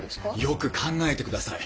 よく考えてください。